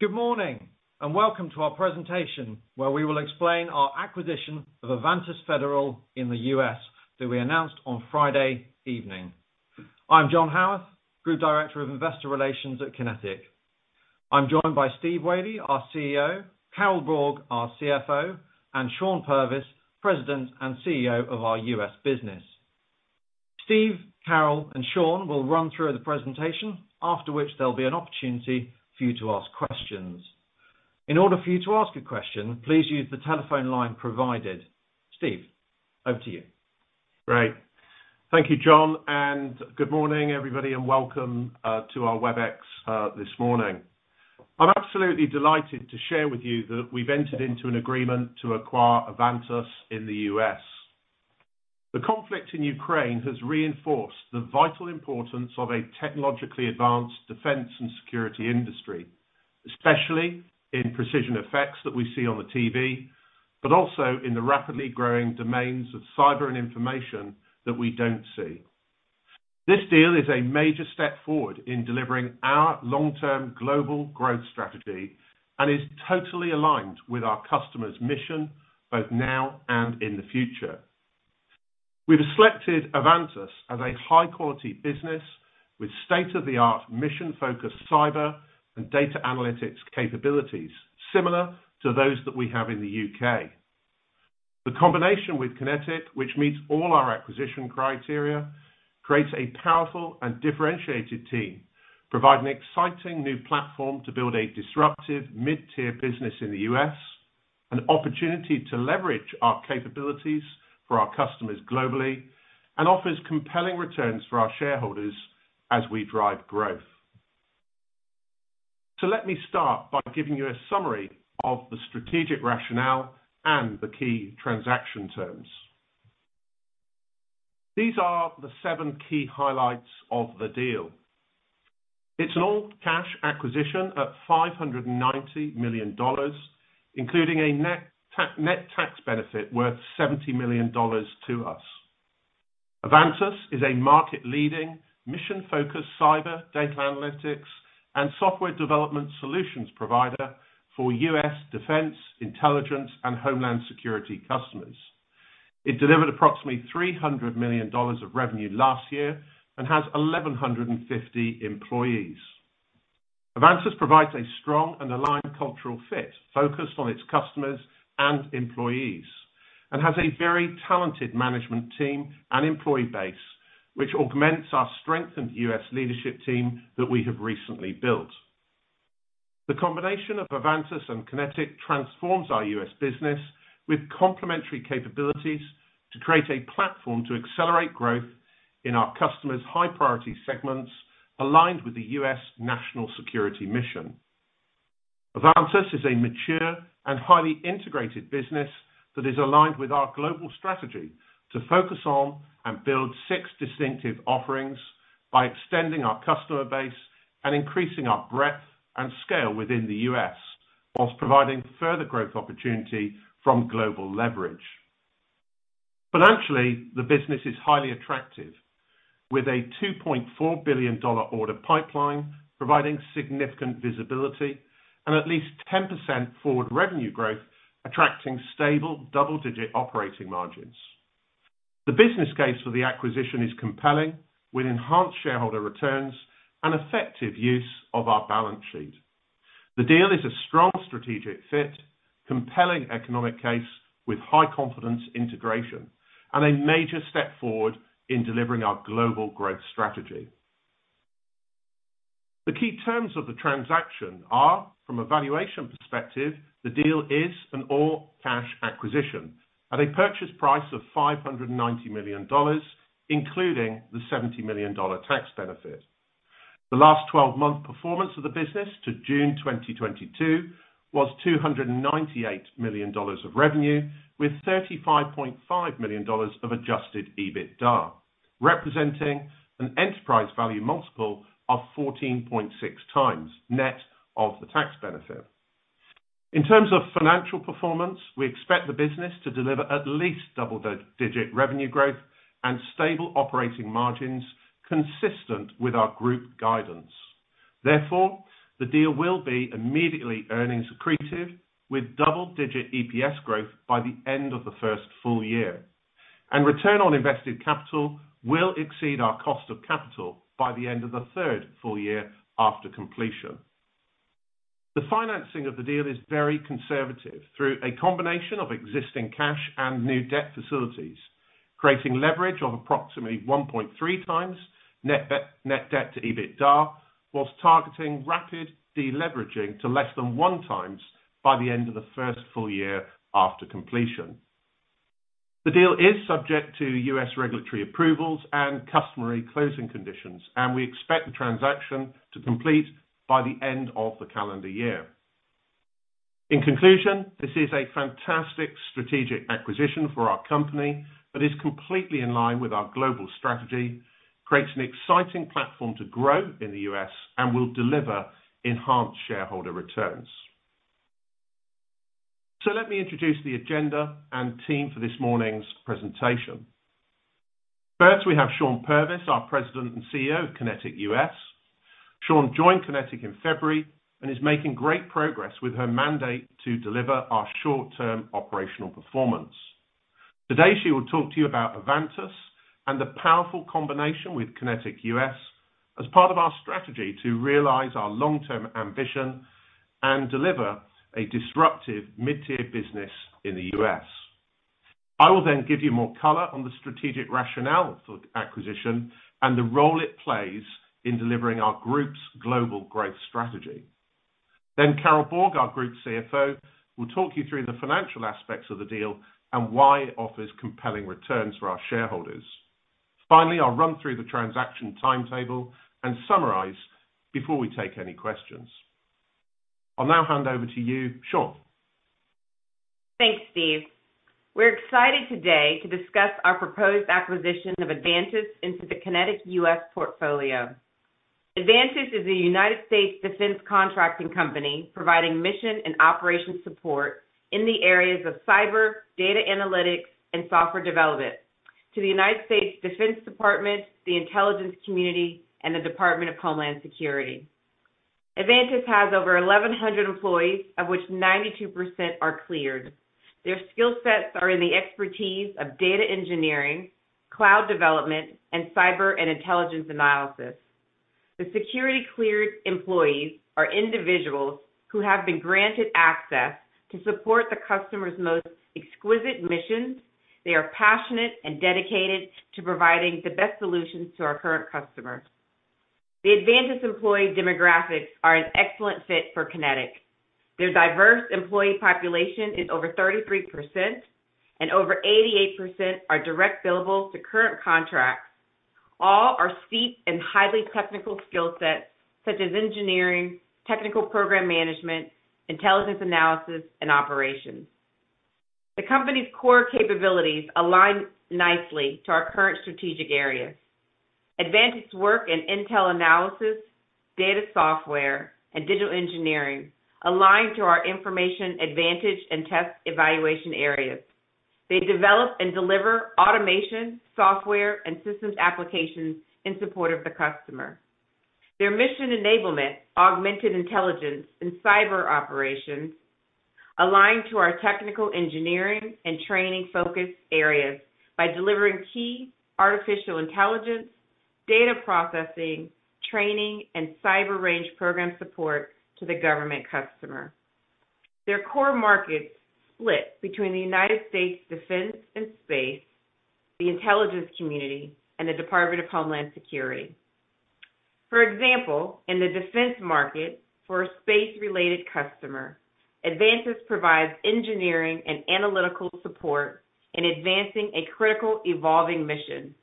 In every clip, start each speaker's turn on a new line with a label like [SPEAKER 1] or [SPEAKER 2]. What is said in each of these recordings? [SPEAKER 1] Good morning, and welcome to our presentation where we will explain our acquisition of Avantus Federal in the U.S. that we announced on Friday evening. I'm John Haworth, Group Director of Investor Relations at QinetiQ. I'm joined by Steve Wadey, our CEO, Carol Borg, our CFO, and Shawn Purvis, President and CEO of our U.S. business. Steve, Carol, and Shawn will run through the presentation, after which there'll be an opportunity for you to ask questions. In order for you to ask a question, please use the telephone line provided. Steve, over to you.
[SPEAKER 2] Great. Thank you, John, and good morning, everybody, and welcome to our WebEx this morning. I'm absolutely delighted to share with you that we've entered into an agreement to acquire Avantus in the U.S. The conflict in Ukraine has reinforced the vital importance of a technologically advanced defense and security industry, especially in precision effects that we see on the TV, but also in the rapidly growing domains of cyber and information that we don't see. This deal is a major step forward in delivering our long-term global growth strategy and is totally aligned with our customers' mission both now and in the future. We've selected Avantus as a high-quality business with state-of-the-art mission-focused cyber and data analytics capabilities, similar to those that we have in the U.K. The combination with QinetiQ, which meets all our acquisition criteria, creates a powerful and differentiated team, provide an exciting new platform to build a disruptive mid-tier business in the U.S., an opportunity to leverage our capabilities for our customers globally, and offers compelling returns for our shareholders as we drive growth. Let me start by giving you a summary of the strategic rationale and the key transaction terms. These are the seven key highlights of the deal. It's an all-cash acquisition at $590 million, including a net tax benefit worth $70 million to us. Avantus is a market-leading, mission-focused cyber data analytics and software development solutions provider for U.S. defense, intelligence, and homeland security customers. It delivered approximately $300 million of revenue last year and has 1,150 employees. Avantus provides a strong and aligned cultural fit focused on its customers and employees, and has a very talented management team and employee base, which augments our strengthened U.S. leadership team that we have recently built. The combination of Avantus and QinetiQ transforms our U.S. business with complementary capabilities to create a platform to accelerate growth in our customers' high-priority segments aligned with the U.S. National Security mission. Avantus is a mature and highly integrated business that is aligned with our global strategy to focus on and build six distinctive offerings by extending our customer base and increasing our breadth and scale within the U.S., whilst providing further growth opportunity from global leverage. Financially, the business is highly attractive, with a $2.4 billion order pipeline providing significant visibility and at least 10% forward revenue growth attracting stable double-digit operating margins. The business case for the acquisition is compelling, with enhanced shareholder returns and effective use of our balance sheet. The deal is a strong strategic fit, compelling economic case with high confidence integration and a major step forward in delivering our global growth strategy. The key terms of the transaction are, from a valuation perspective, the deal is an all-cash acquisition at a purchase price of $590 million, including the $70 million tax benefit. The last 12-month performance of the business to June 2022 was $298 million of revenue with $35.5 million of adjusted EBITDA, representing an enterprise value multiple of 14.6x net of the tax benefit. In terms of financial performance, we expect the business to deliver at least double-digit revenue growth and stable operating margins consistent with our group guidance. Therefore, the deal will be immediately earnings accretive with double-digit EPS growth by the end of the first full year. Return on invested capital will exceed our cost of capital by the end of the third full year after completion. The financing of the deal is very conservative through a combination of existing cash and new debt facilities, creating leverage of approximately 1.3x net debt to EBITDA, while targeting rapid deleveraging to less than 1x by the end of the first full year after completion. The deal is subject to U.S. regulatory approvals and customary closing conditions, and we expect the transaction to complete by the end of the calendar year. In conclusion, this is a fantastic strategic acquisition for our company that is completely in line with our global strategy, creates an exciting platform to grow in the U.S., and will deliver enhanced shareholder returns. Let me introduce the agenda and team for this morning's presentation. First, we have Shawn Purvis, our President and CEO of QinetiQ U.S. Shawn joined QinetiQ in February and is making great progress with her mandate to deliver our short-term operational performance. Today, she will talk to you about Avantus and the powerful combination with QinetiQ U.S. as part of our strategy to realize our long-term ambition and deliver a disruptive mid-tier business in the U.S. I will then give you more color on the strategic rationale for acquisition and the role it plays in delivering our group's global growth strategy. Carol Borg, our Group CFO, will talk you through the financial aspects of the deal and why it offers compelling returns for our shareholders. Finally, I'll run through the transaction timetable and summarize before we take any questions. I'll now hand over to you, Shawn.
[SPEAKER 3] Thanks, Steve. We're excited today to discuss our proposed acquisition of Avantus into the QinetiQ U.S. portfolio. Avantus is a United States defense contracting company providing mission and operation support in the areas of cyber, data analytics, and software development to the United States Department of Defense, the intelligence community, and the Department of Homeland Security. Avantus has over 1,100 employees, of which 92% are cleared. Their skill sets are in the expertise of data engineering, cloud development, and cyber and intelligence analysis. The security-cleared employees are individuals who have been granted access to support the customer's most exquisite missions. They are passionate and dedicated to providing the best solutions to our current customers. The Avantus employee demographics are an excellent fit for QinetiQ. Their diverse employee population is over 33% and over 88% are direct billable to current contracts. All are steeped in highly technical skill sets such as engineering, technical program management, intelligence analysis, and operations. The company's core capabilities align nicely to our current strategic areas. Avantus work in intel analysis, data software, and digital engineering align to our information advantage and test evaluation areas. They develop and deliver automation, software, and systems applications in support of the customer. Their mission enablement, augmented intelligence, and cyber operations align to our technical, engineering, and training-focused areas by delivering key artificial intelligence, data processing, training, and cyber range program support to the government customer. Their core markets split between the United States Defense and Space, the intelligence community, and the Department of Homeland Security. For example, in the defense market for a space-related customer, Avantus provides engineering and analytical support in advancing a critical evolving mission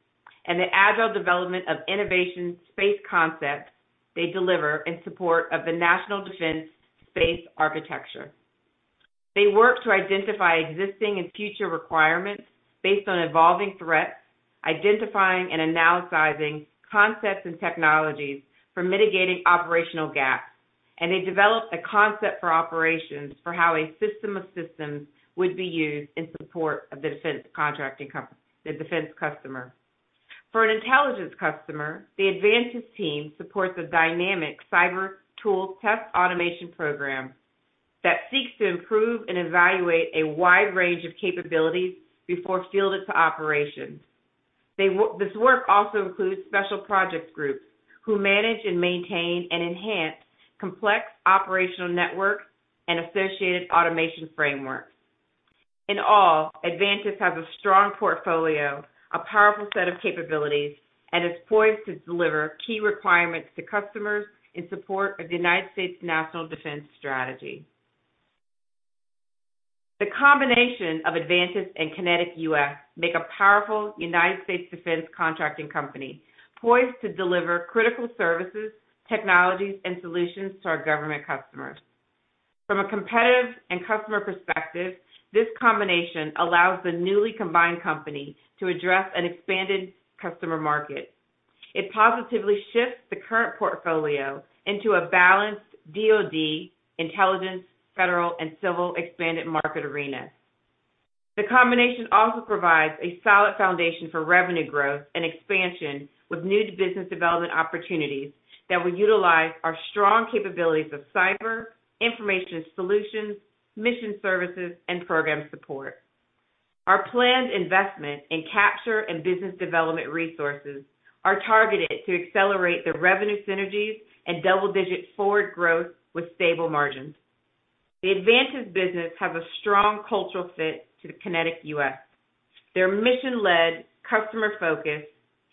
[SPEAKER 3] and the agile development of innovation space concepts they deliver in support of the National Defense Space Architecture. They work to identify existing and future requirements based on evolving threats, identifying and analyzing concepts and technologies for mitigating operational gaps, and they develop a concept for operations for how a system of systems would be used in support of the defense customer. For an intelligence customer, the Avantus team supports a dynamic cyber tool test automation program that seeks to improve and evaluate a wide range of capabilities before fielded to operations. This work also includes special projects groups who manage and maintain and enhance complex operational networks and associated automation frameworks. In all, Avantus has a strong portfolio, a powerful set of capabilities, and is poised to deliver key requirements to customers in support of the United States National Defense Strategy. The combination of Avantus and QinetiQ U.S. make a powerful United States defense contracting company poised to deliver critical services, technologies, and solutions to our government customers. From a competitive and customer perspective, this combination allows the newly combined company to address an expanded customer market. It positively shifts the current portfolio into a balanced DoD, intelligence, federal, and civil expanded market arena. The combination also provides a solid foundation for revenue growth and expansion with new business development opportunities that will utilize our strong capabilities of cyber, information solutions, mission services, and program support. Our planned investment in capture and business development resources are targeted to accelerate the revenue synergies and double-digit forward growth with stable margins. The Avantus business have a strong cultural fit to the QinetiQ U.S. Their mission-led customer focus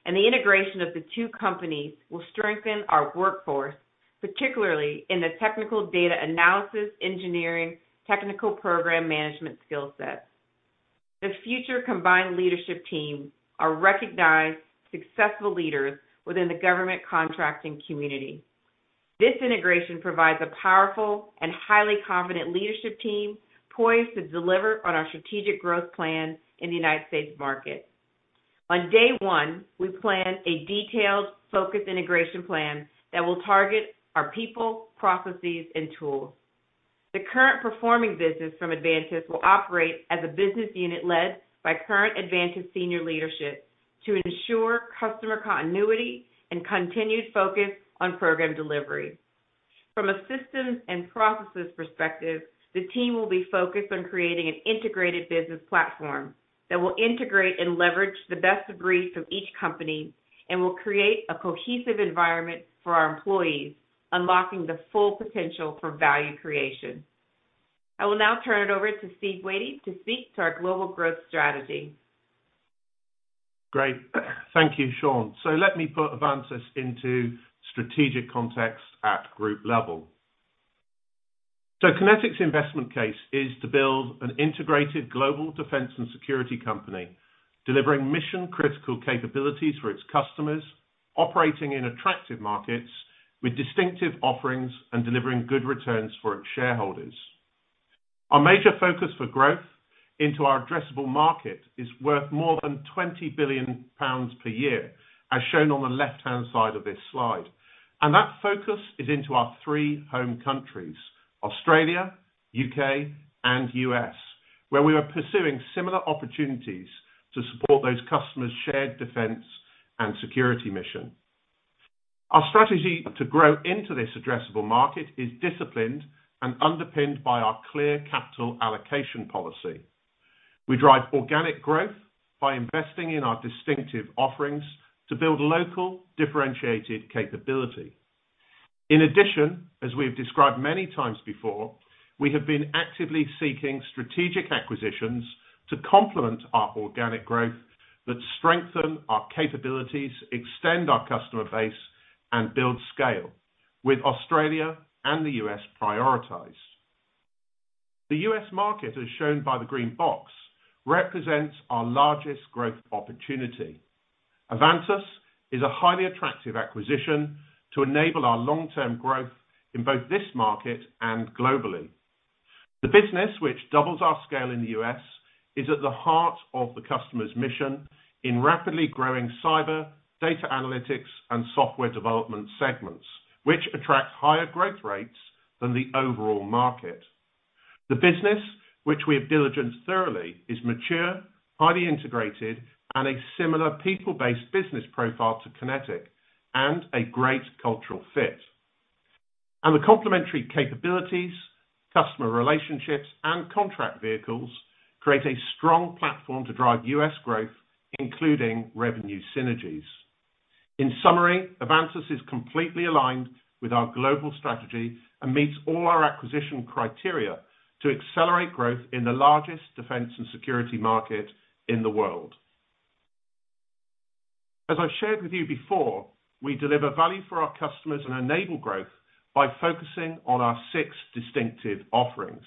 [SPEAKER 3] and the integration of the two companies will strengthen our workforce, particularly in the technical data analysis, engineering, technical program management skill sets. The future combined leadership team are recognized successful leaders within the government contracting community. This integration provides a powerful and highly confident leadership team poised to deliver on our strategic growth plan in the United States market. On day one, we plan a detailed focus integration plan that will target our people, processes, and tools. The current performing business from Avantus will operate as a business unit led by current Avantus senior leadership to ensure customer continuity and continued focus on program delivery. From a systems and processes perspective, the team will be focused on creating an integrated business platform that will integrate and leverage the best of breed from each company and will create a cohesive environment for our employees, unlocking the full potential for value creation. I will now turn it over to Steve Wadey to speak to our global growth strategy.
[SPEAKER 2] Great. Thank you, Shawn. Let me put Avantus into strategic context at group level. QinetiQ's investment case is to build an integrated global defense and security company, delivering mission-critical capabilities for its customers, operating in attractive markets with distinctive offerings and delivering good returns for its shareholders. Our major focus for growth into our addressable market is worth more than 20 billion pounds per year, as shown on the left-hand side of this slide. That focus is into our three home countries, Australia, U.K., and U.S., where we are pursuing similar opportunities to support those customers' shared defense and security mission. Our strategy to grow into this addressable market is disciplined and underpinned by our clear capital allocation policy. We drive organic growth by investing in our distinctive offerings to build local differentiated capability. In addition, as we've described many times before, we have been actively seeking strategic acquisitions to complement our organic growth that strengthen our capabilities, extend our customer base, and build scale with Australia and the U.S. prioritized. The U.S. market, as shown by the green box, represents our largest growth opportunity. Avantus is a highly attractive acquisition to enable our long-term growth in both this market and globally. The business which doubles our scale in the U.S. is at the heart of the customer's mission in rapidly growing cyber, data analytics, and software development segments, which attract higher growth rates than the overall market. The business, which we have diligenced thoroughly, is mature, highly integrated, and a similar people-based business profile to QinetiQ and a great cultural fit. The complementary capabilities, customer relationships, and contract vehicles create a strong platform to drive U.S. growth, including revenue synergies. In summary, Avantus is completely aligned with our global strategy and meets all our acquisition criteria to accelerate growth in the largest defense and security market in the world. As I shared with you before, we deliver value for our customers and enable growth by focusing on our six distinctive offerings.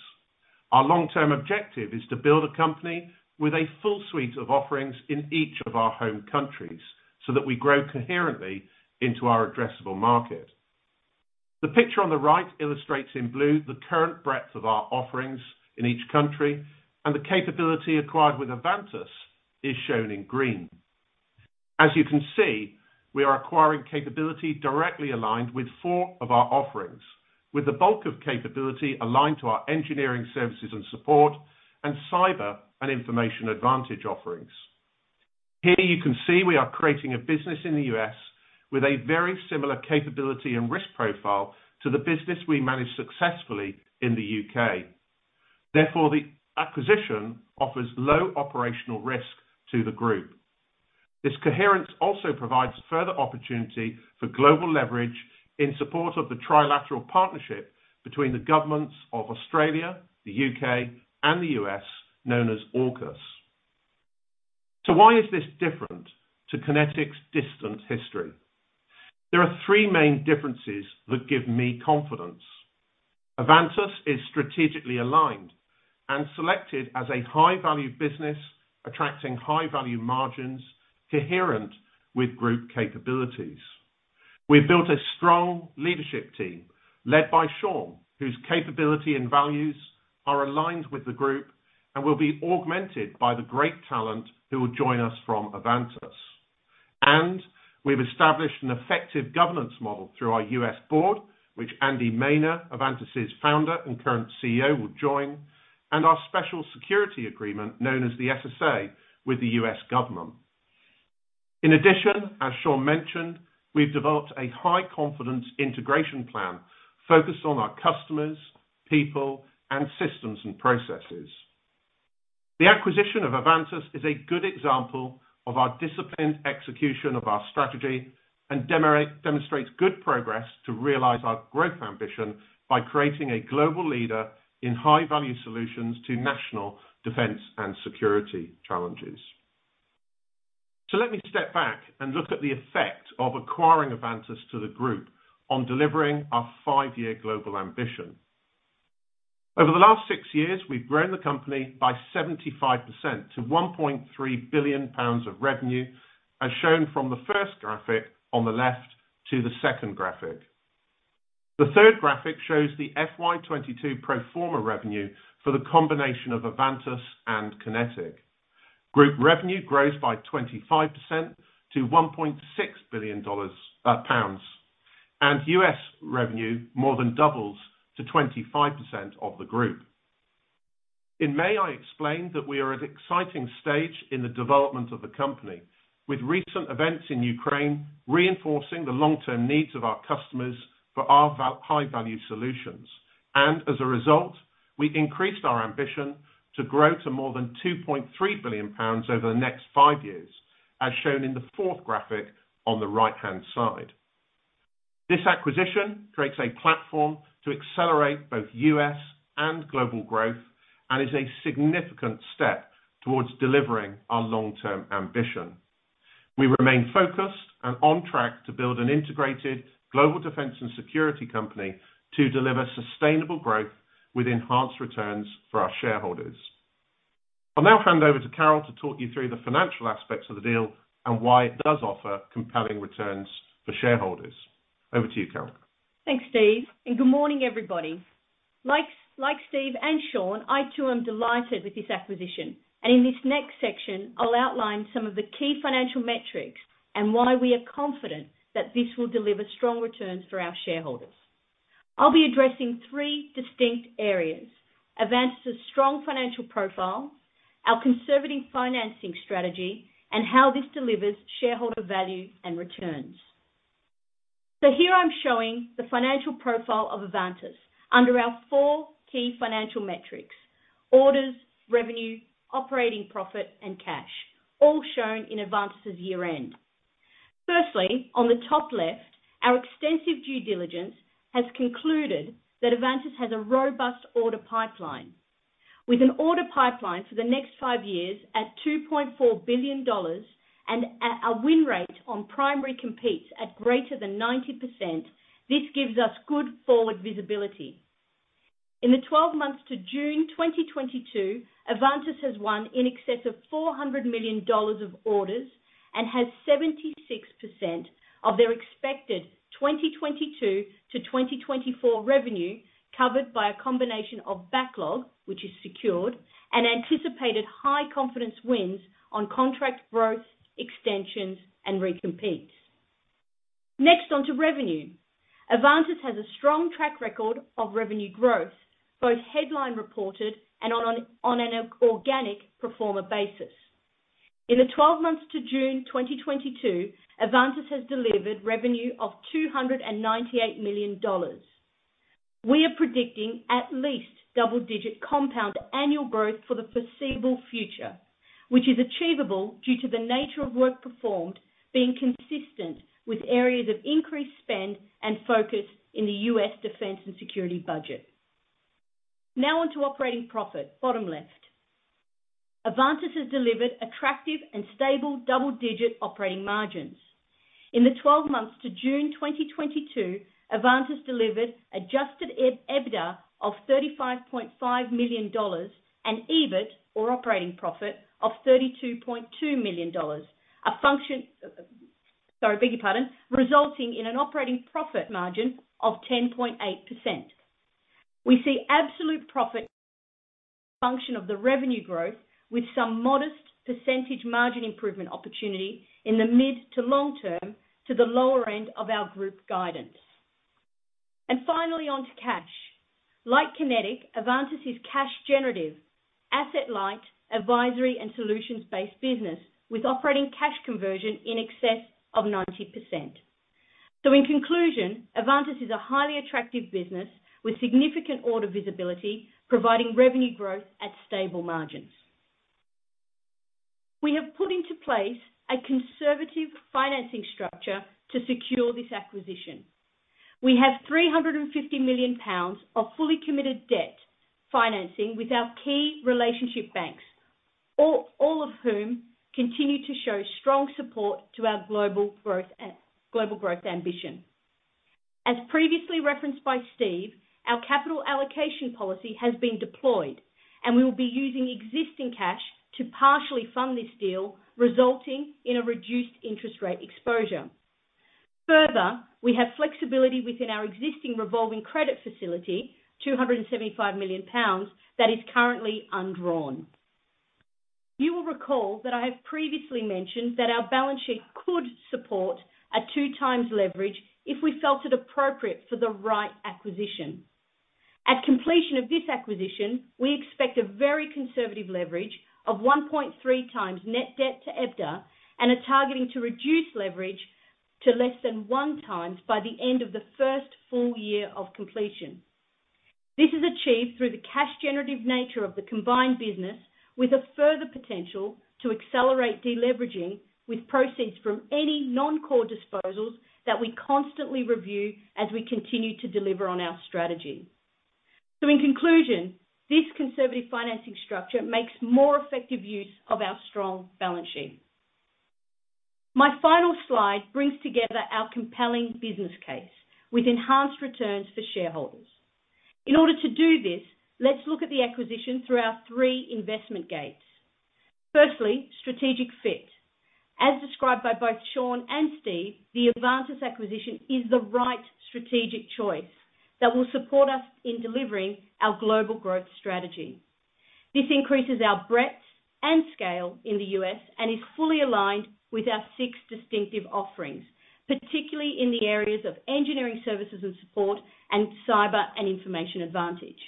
[SPEAKER 2] Our long-term objective is to build a company with a full suite of offerings in each of our home countries so that we grow coherently into our addressable market. The picture on the right illustrates in blue the current breadth of our offerings in each country, and the capability acquired with Avantus is shown in green. As you can see, we are acquiring capability directly aligned with four of our offerings, with the bulk of capability aligned to our Engineering Services and Support and Cyber and Information Advantage offerings. Here you can see we are creating a business in the U.S. with a very similar capability and risk profile to the business we manage successfully in the U.K. Therefore, the acquisition offers low operational risk to the group. This coherence also provides further opportunity for global leverage in support of the trilateral partnership between the governments of Australia, the U.K., and the U.S., known as AUKUS. Why is this different to QinetiQ's distant history? There are three main differences that give me confidence. Avantus is strategically aligned and selected as a high-value business, attracting high-value margins coherent with group capabilities. We built a strong leadership team led by Shawn, whose capability and values are aligned with the group and will be augmented by the great talent who will join us from Avantus. We've established an effective governance model through our U.S. board, which Andy Maner, Avantus' founder and current CEO, will join, and our Special Security Agreement, known as the SSA, with the U.S. government. In addition, as Shawn mentioned, we've developed a high-confidence integration plan focused on our customers, people, and systems and processes. The acquisition of Avantus is a good example of our disciplined execution of our strategy and demonstrates good progress to realize our growth ambition by creating a global leader in high-value solutions to national defense and security challenges. Let me step back and look at the effect of acquiring Avantus to the group on delivering our five-year global ambition. Over the last six years, we've grown the company by 75% to 1.3 billion pounds of revenue, as shown from the first graphic on the left to the second graphic. The third graphic shows the FY 2022 pro forma revenue for the combination of Avantus and QinetiQ Group revenue grows by 25% to GBP 1.6 billion, and U.S. revenue more than doubles to 25% of the group. In May, I explained that we are at an exciting stage in the development of the company, with recent events in Ukraine reinforcing the long-term needs of our customers for our high-value solutions. As a result, we increased our ambition to grow to more than 2.3 billion pounds over the next five years, as shown in the fourth graphic on the right-hand side. This acquisition creates a platform to accelerate both U.S. and global growth and is a significant step towards delivering our long-term ambition. We remain focused and on track to build an integrated global defense and security company to deliver sustainable growth with enhanced returns for our shareholders. I'll now hand over to Carol to talk you through the financial aspects of the deal and why it does offer compelling returns for shareholders. Over to you, Carol.
[SPEAKER 4] Thanks, Steve, and good morning, everybody. Like Steve and Shawn, I too am delighted with this acquisition. In this next section, I'll outline some of the key financial metrics and why we are confident that this will deliver strong returns for our shareholders. I'll be addressing three distinct areas, Avantus' strong financial profile, our conservative financing strategy, and how this delivers shareholder value and returns. Here I'm showing the financial profile of Avantus under our four key financial metrics, orders, revenue, operating profit, and cash, all shown in Avantus' year-end. Firstly, on the top left, our extensive due diligence has concluded that Avantus has a robust order pipeline. With an order pipeline for the next five years at $2.4 billion and at a win rate on primary competes at greater than 90%, this gives us good forward visibility. In the 12 months to June 2022, Avantus has won in excess of $400 million of orders and has 76% of their expected 2022-2024 revenue covered by a combination of backlog, which is secured, and anticipated high-confidence wins on contract growths, extensions, and recompetes. Next, onto revenue. Avantus has a strong track record of revenue growth, both headline reported and on an organic pro forma basis. In the 12 months to June 2022, Avantus has delivered revenue of $298 million. We are predicting at least double-digit compound annual growth for the foreseeable future, which is achievable due to the nature of work performed being consistent with areas of increased spend and focus in the U.S. defense and security budget. Now on to operating profit, bottom left. Avantus has delivered attractive and stable double-digit operating margins. In the 12 months to June 2022, Avantus delivered adjusted EBITDA of $35.5 million and EBIT or operating profit of $32.2 million. Resulting in an operating profit margin of 10.8%. We see absolute profit function of the revenue growth with some modest percentage margin improvement opportunity in the mid- to long-term to the lower end of our group guidance. Finally, onto cash. Like QinetiQ, Avantus is cash generative, asset-light, advisory, and solutions-based business with operating cash conversion in excess of 90%. In conclusion, Avantus is a highly attractive business with significant order visibility, providing revenue growth at stable margins. We have put into place a conservative financing structure to secure this acquisition. We have 350 million pounds of fully committed debt financing with our key relationship banks, all of whom continue to show strong support to our global growth ambition. As previously referenced by Steve, our capital allocation policy has been deployed, and we will be using existing cash to partially fund this deal, resulting in a reduced interest rate exposure. Further, we have flexibility within our existing revolving credit facility, 275 million pounds, that is currently undrawn. You will recall that I have previously mentioned that our balance sheet could support a 2x leverage if we felt it appropriate for the right acquisition. At completion of this acquisition, we expect a very conservative leverage of 1.3x net debt to EBITDA and are targeting to reduce leverage to less than 1x by the end of the first full year of completion. This is achieved through the cash generative nature of the combined business, with a further potential to accelerate deleveraging with proceeds from any non-core disposals that we constantly review as we continue to deliver on our strategy. In conclusion, this conservative financing structure makes more effective use of our strong balance sheet. My final slide brings together our compelling business case with enhanced returns for shareholders. In order to do this, let's look at the acquisition through our three investment gates. Firstly, strategic fit. As described by both Shawn and Steve, the Avantus acquisition is the right strategic choice that will support us in delivering our global growth strategy. This increases our breadth and scale in the U.S. and is fully aligned with our six distinctive offerings, particularly in the areas of engineering services and support and cyber and information advantage.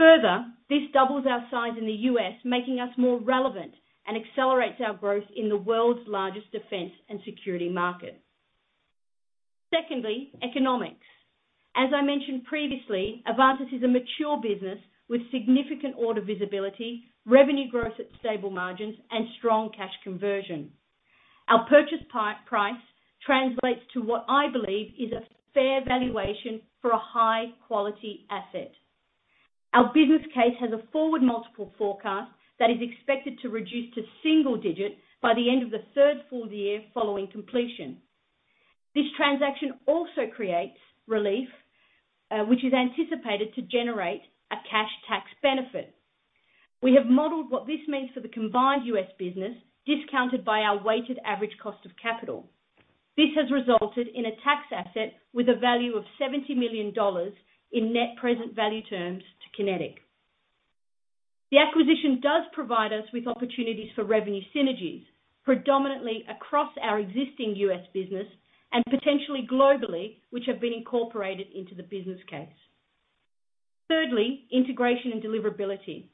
[SPEAKER 4] Further, this doubles our size in the U.S., making us more relevant and accelerates our growth in the world's largest defense and security market. Secondly, economics. As I mentioned previously, Avantus is a mature business with significant order visibility, revenue growth at stable margins and strong cash conversion. Our purchase price translates to what I believe is a fair valuation for a high-quality asset. Our business case has a forward multiple forecast that is expected to reduce to single digit by the end of the third full year following completion. This transaction also creates relief, which is anticipated to generate a cash tax benefit. We have modeled what this means for the combined U.S. business discounted by our weighted average cost of capital. This has resulted in a tax asset with a value of $70 million in net present value terms to QinetiQ. The acquisition does provide us with opportunities for revenue synergies, predominantly across our existing U.S. business and potentially globally, which have been incorporated into the business case. Thirdly, integration and deliverability.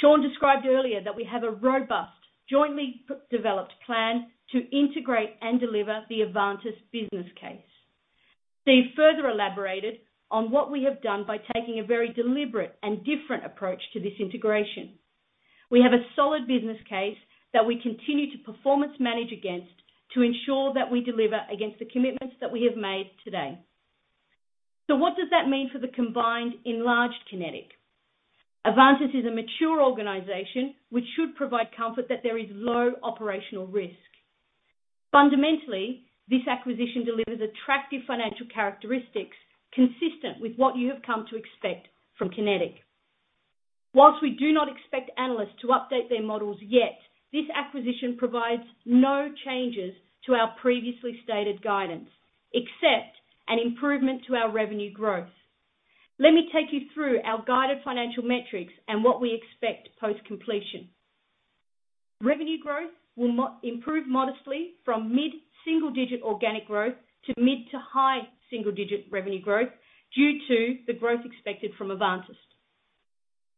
[SPEAKER 4] Shawn described earlier that we have a robust, jointly developed plan to integrate and deliver the Avantus business case. Steve further elaborated on what we have done by taking a very deliberate and different approach to this integration. We have a solid business case that we continue to performance manage against to ensure that we deliver against the commitments that we have made today. What does that mean for the combined enlarged QinetiQ? Avantus is a mature organization which should provide comfort that there is low operational risk. Fundamentally, this acquisition delivers attractive financial characteristics consistent with what you have come to expect from QinetiQ. While we do not expect analysts to update their models yet, this acquisition provides no changes to our previously stated guidance, except an improvement to our revenue growth. Let me take you through our guided financial metrics and what we expect post-completion. Revenue growth will improve modestly from mid-single digit organic growth to mid- to high single digit revenue growth due to the growth expected from Avantus.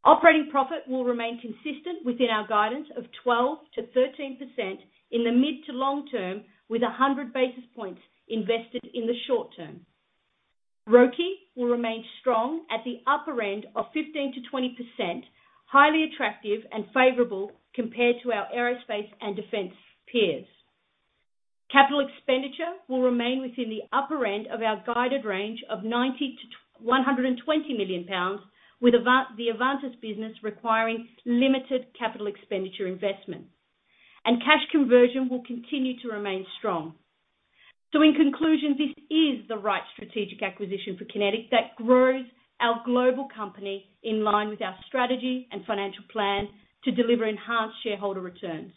[SPEAKER 4] Operating profit will remain consistent within our guidance of 12%-13% in the mid to long term with 100 basis points invested in the short term. ROCE will remain strong at the upper end of 15%-20%, highly attractive and favorable compared to our aerospace and defense peers. Capital expenditure will remain within the upper end of our guided range of 90 million-120 million pounds, with the Avantus business requiring limited capital expenditure investment. Cash conversion will continue to remain strong. In conclusion, this is the right strategic acquisition for QinetiQ that grows our global company in line with our strategy and financial plan to deliver enhanced shareholder returns.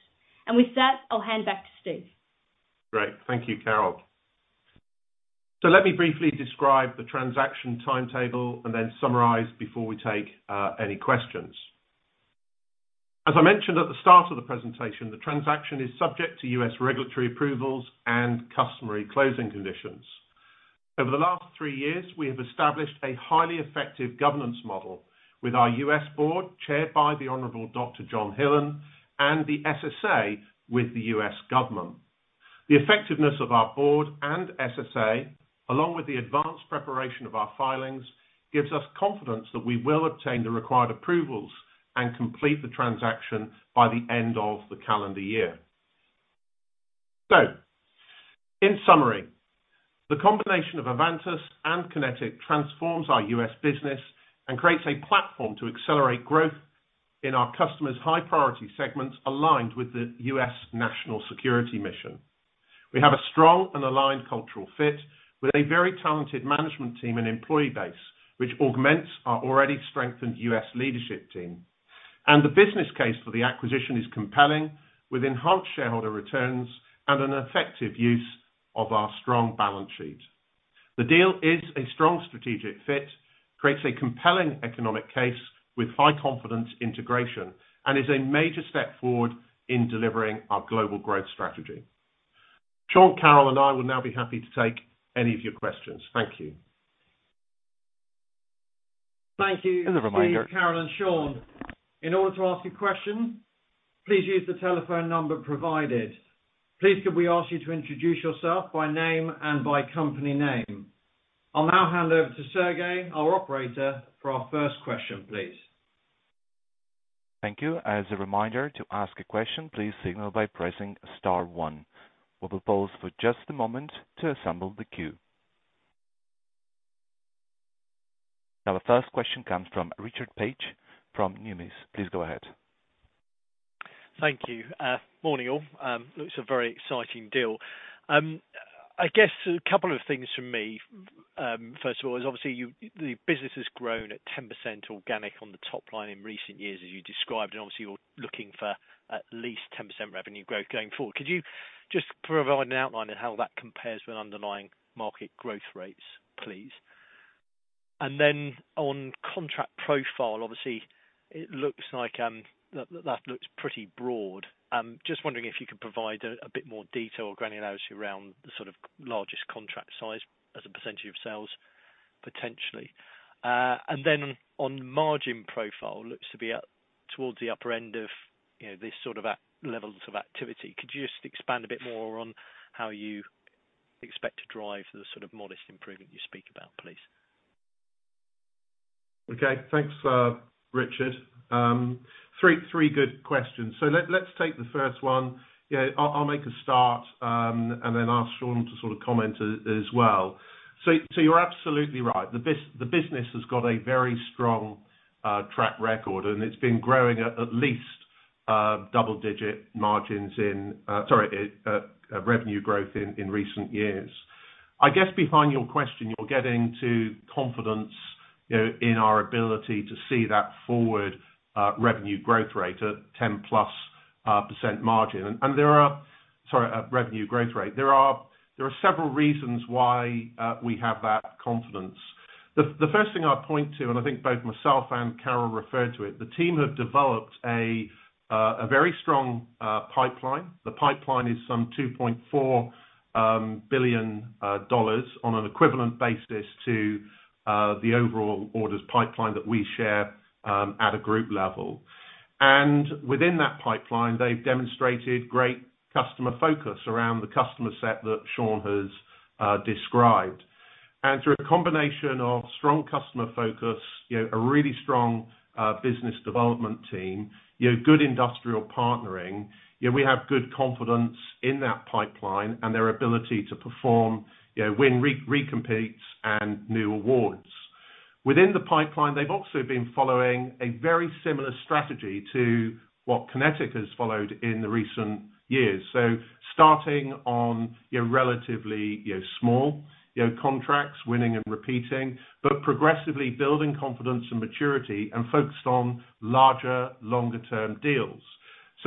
[SPEAKER 4] With that, I'll hand back to Steve.
[SPEAKER 2] Great. Thank you, Carol. Let me briefly describe the transaction timetable and then summarize before we take any questions. As I mentioned at the start of the presentation, the transaction is subject to U.S. regulatory approvals and customary closing conditions. Over the last three years, we have established a highly effective governance model with our U.S. board, chaired by the Honorable Dr. John Hillen, and the SSA with the U.S. government. The effectiveness of our board and SSA, along with the advanced preparation of our filings, gives us confidence that we will obtain the required approvals and complete the transaction by the end of the calendar year. In summary, the combination of Avantus and QinetiQ transforms our U.S. business and creates a platform to accelerate growth in our customers' high priority segments aligned with the U.S. national security mission. We have a strong and aligned cultural fit with a very talented management team and employee base, which augments our already strengthened US leadership team. The business case for the acquisition is compelling with enhanced shareholder returns and an effective use of our strong balance sheet. The deal is a strong strategic fit, creates a compelling economic case with high confidence integration, and is a major step forward in delivering our global growth strategy. Shawn, Carol, and I will now be happy to take any of your questions. Thank you.
[SPEAKER 1] Thank you.
[SPEAKER 5] As a reminder.
[SPEAKER 1] Steve, Carol, and Sean. In order to ask a question, please use the telephone number provided. Please could we ask you to introduce yourself by name and by company name. I'll now hand over to Sergey, our operator, for our first question, please.
[SPEAKER 5] Thank you. As a reminder, to ask a question, please signal by pressing star one. We'll pause for just a moment to assemble the queue. Now our first question comes from Richard Paige from Numis. Please go ahead.
[SPEAKER 6] Thank you. Morning, all. Looks like a very exciting deal. I guess a couple of things from me. First of all, the business has grown at 10% organic on the top line in recent years as you described, and obviously you're looking for at least 10% revenue growth going forward. Could you just provide an outline of how that compares with underlying market growth rates, please? On contract profile, obviously, it looks like that looks pretty broad. Just wondering if you could provide a bit more detail or granularity around the sort of largest contract size as a percentage of sales potentially. And then on margin profile, looks to be up towards the upper end of, you know, this sort of levels of activity. Could you just expand a bit more on how you expect to drive the sort of modest improvement you speak about, please?
[SPEAKER 2] Okay. Thanks, Richard. Three good questions. Let's take the first one. Yeah, I'll make a start and then ask Shawn to sort of comment as well. You're absolutely right. The business has got a very strong track record, and it's been growing at least double digit revenue growth in recent years. I guess behind your question, you're getting to confidence, you know, in our ability to see that forward revenue growth rate at 10+% margin. There are several reasons why we have that confidence. The first thing I'd point to, and I think both myself and Carol referred to it, the team have developed a very strong pipeline. The pipeline is some $2.4 billion on an equivalent basis to the overall orders pipeline that we share at a group level. Within that pipeline, they've demonstrated great customer focus around the customer set that Shawn has described. Through a combination of strong customer focus, you know, a really strong business development team, you know, good industrial partnering, you know, we have good confidence in that pipeline and their ability to perform, you know, win recompetes and new awards. Within the pipeline, they've also been following a very similar strategy to what QinetiQ has followed in the recent years. Starting on, you know, relatively, you know, small, you know, contracts, winning and repeating, but progressively building confidence and maturity and focused on larger, longer term deals.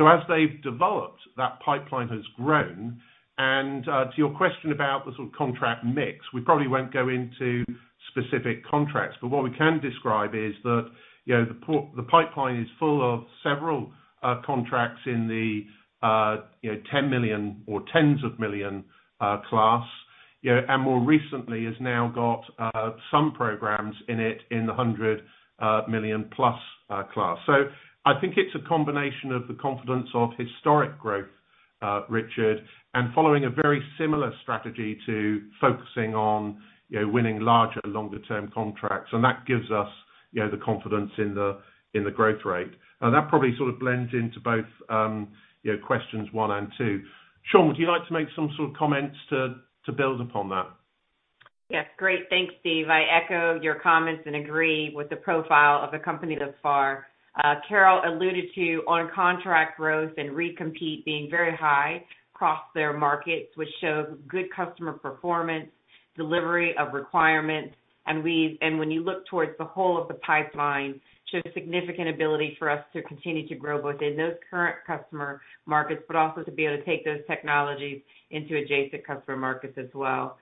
[SPEAKER 2] As they've developed, that pipeline has grown, and to your question about the sort of contract mix, we probably won't go into specific contracts. What we can describe is that, you know, the pipeline is full of several contracts in the $10 million or tens of millions class, you know, and more recently has now got some programs in it in the $100 million+ class. I think it's a combination of the confidence of historic growth, Richard, and following a very similar strategy to focusing on, you know, winning larger, longer term contracts, and that gives us, you know, the confidence in the growth rate. Now that probably sort of blends into both, you know, questions one and two. Shawn, would you like to make some sort of comments to build upon that?
[SPEAKER 3] Yes. Great. Thanks, Steve. I echo your comments and agree with the profile of the company thus far. Carol alluded to, on contract growth and recompete being very high across their markets, which show good customer performance, delivery of requirements. And when you look towards the whole of the pipeline, shows significant ability for us to continue to grow both in those current customer markets, but also to be able to take those technologies into adjacent customer markets as well.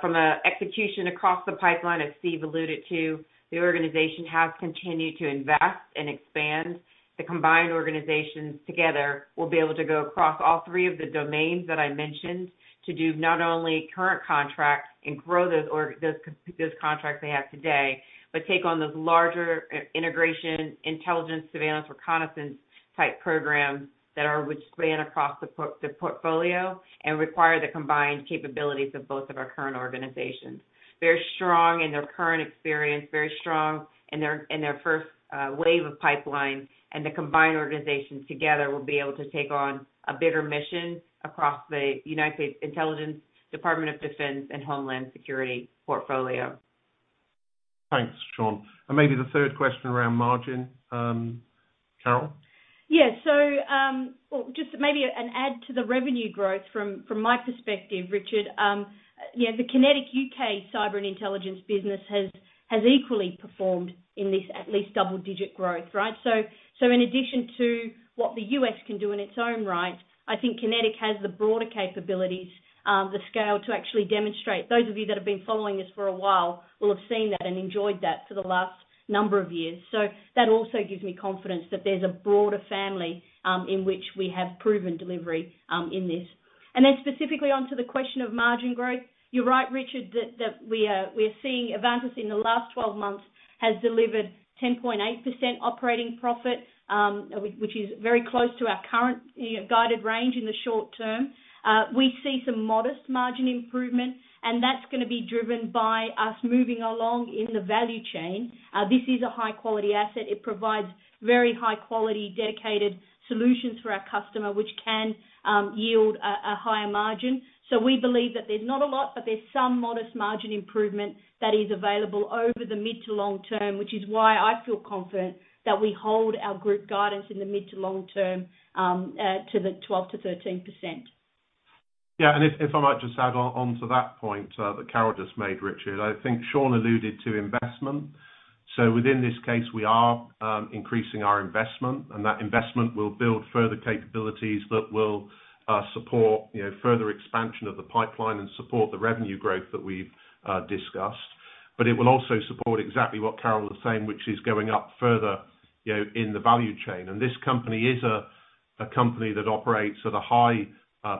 [SPEAKER 3] From an execution across the pipeline, as Steve alluded to, the organization has continued to invest and expand. The combined organizations together will be able to go across all three of the domains that I mentioned to do not only current contracts and grow those contracts they have today, but take on those larger integration, intelligence, surveillance, reconnaissance type programs which span across the portfolio and require the combined capabilities of both of our current organizations. Very strong in their current experience, very strong in their first wave of pipeline, and the combined organizations together will be able to take on a bigger mission across the U.S. Intelligence Community, United States Department of Defense, and United States Department of Homeland Security portfolio.
[SPEAKER 2] Thanks, Shawn. Maybe the third question around margin, Carol.
[SPEAKER 4] Yeah. Well, just maybe an add to the revenue growth from my perspective, Richard. Yeah, the QinetiQ U.K. Cyber and Intelligence business has equally performed in this at least double-digit growth, right? In addition to what the U.S. can do in its own right, I think QinetiQ has the broader capabilities, the scale to actually demonstrate. Those of you that have been following us for a while will have seen that and enjoyed that for the last number of years. That also gives me confidence that there's a broader family, in which we have proven delivery, in this. Specifically onto the question of margin growth, you're right, Richard, that we are seeing Avantus in the last 12 months has delivered 10.8% operating profit, which is very close to our current, you know, guided range in the short term. We see some modest margin improvement, and that's gonna be driven by us moving along in the value chain. This is a high quality asset. It provides very high quality dedicated solutions for our customer, which can yield a higher margin. We believe that there's not a lot, but there's some modest margin improvement that is available over the mid to long term, which is why I feel confident that we hold our group guidance in the mid to long term to the 12%-13%.
[SPEAKER 2] Yeah. If I might just add on to that point that Carol just made, Richard. I think Shawn alluded to investment. Within this case, we are increasing our investment, and that investment will build further capabilities that will support, you know, further expansion of the pipeline and support the revenue growth that we've discussed. It will also support exactly what Carol is saying, which is going up further, you know, in the value chain. This company is a company that operates at a high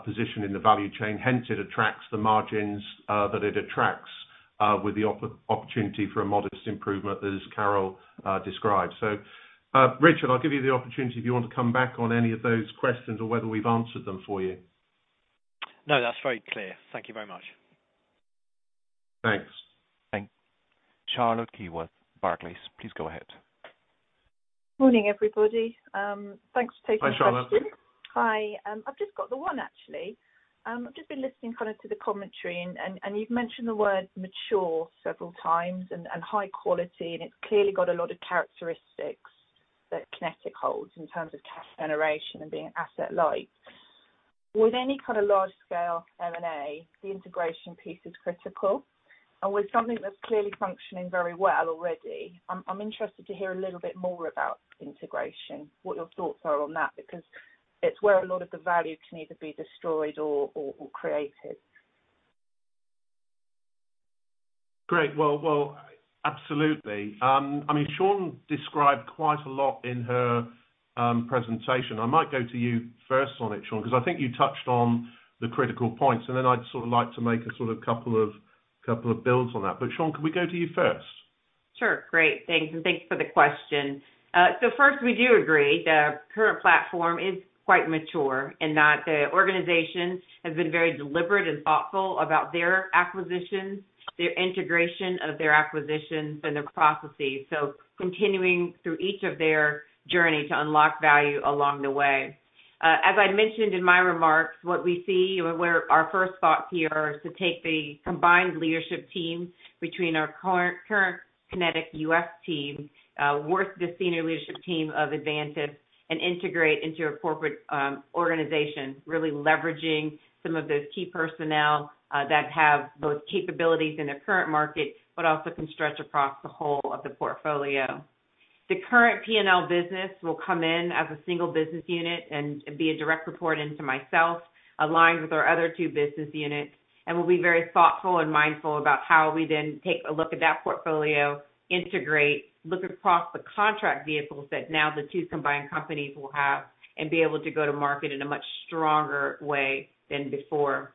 [SPEAKER 2] position in the value chain. Hence, it attracts the margins that it attracts with the opportunity for a modest improvement as Carol described. Richard, I'll give you the opportunity if you want to come back on any of those questions or whether we've answered them for you.
[SPEAKER 6] No, that's very clear. Thank you very much.
[SPEAKER 2] Thanks.
[SPEAKER 5] Charlotte Keyworth, Barclays, please go ahead.
[SPEAKER 7] Morning, everybody. Thanks for taking my question.
[SPEAKER 2] Hi, Charlotte.
[SPEAKER 7] Hi. I've just got the one, actually. I've just been listening kind of to the commentary and you've mentioned the word mature several times and high quality, and it's clearly got a lot of characteristics that QinetiQ holds in terms of cash generation and being asset light. With any kind of large scale M&A, the integration piece is critical. With something that's clearly functioning very well already, I'm interested to hear a little bit more about integration, what your thoughts are on that, because it's where a lot of the value can either be destroyed or created.
[SPEAKER 2] Great. Well, absolutely. I mean, Shawn described quite a lot in her presentation. I might go to you first on it, Shawn. 'Cause I think you touched on the critical points, and then I'd sort of like to make a couple of builds on that. Shawn, could we go to you first?
[SPEAKER 3] Sure. Great. Thanks. Thanks for the question. First, we do agree the current platform is quite mature, and that the organization has been very deliberate and thoughtful about their acquisitions, their integration of their acquisitions and their processes. Continuing through each of their journey to unlock value along the way. As I mentioned in my remarks, what we see or where our first thoughts here is to take the combined leadership team between our current QinetiQ U.S. team with the senior leadership team of Avantus and integrate into a corporate organization, really leveraging some of those key personnel that have both capabilities in their current market, but also can stretch across the whole of the portfolio. The current P&L business will come in as a single business unit and be a direct report into myself, aligned with our other two business units, and we'll be very thoughtful and mindful about how we then take a look at that portfolio, integrate, look across the contract vehicles that now the two combined companies will have, and be able to go to market in a much stronger way than before.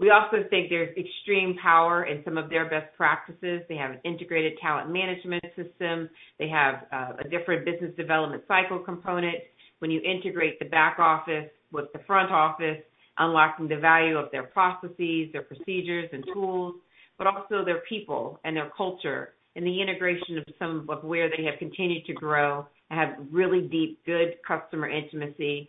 [SPEAKER 3] We also think there's extreme power in some of their best practices. They have an Integrated Talent Management system. They have a different business development cycle component. When you integrate the back office with the front office, unlocking the value of their processes, their procedures and tools, but also their people and their culture and the integration of some of where they have continued to grow and have really deep good customer intimacy,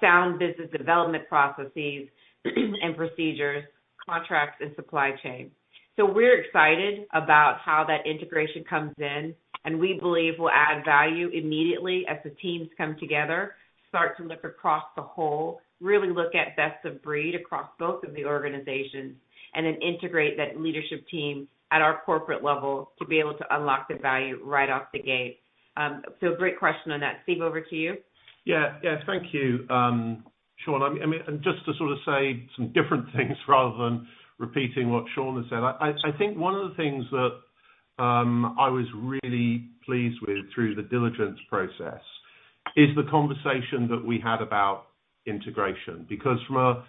[SPEAKER 3] sound business development processes and procedures, contracts and supply chain. We're excited about how that integration comes in, and we believe will add value immediately as the teams come together, start to look across the whole, really look at best of breed across both of the organizations, and then integrate that leadership team at our corporate level to be able to unlock the value right off the gate. Great question on that. Steve, over to you.
[SPEAKER 2] Yeah. Thank you, Shawn. I mean, just to sort of say some different things rather than repeating what Shawn has said. I think one of the things that I was really pleased with through the diligence process is the conversation that we had about integration. Because from a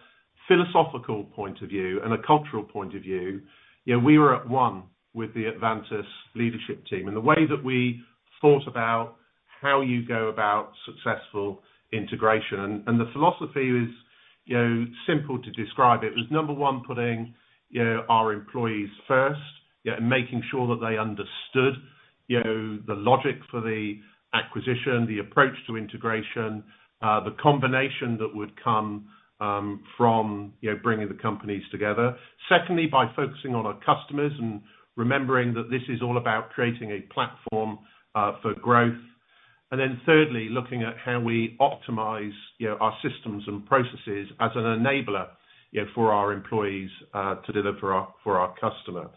[SPEAKER 2] philosophical point of view and a cultural point of view, you know, we were at one with the Avantus leadership team. The way that we thought about how you go about successful integration. The philosophy is, you know, simple to describe. It was number one, putting, you know, our employees first. Yeah, and making sure that they understood, you know, the logic for the acquisition, the approach to integration, the combination that would come from, you know, bringing the companies together. Secondly, by focusing on our customers and remembering that this is all about creating a platform for growth. Thirdly, looking at how we optimize, you know, our systems and processes as an enabler, you know, for our employees to deliver for our customer.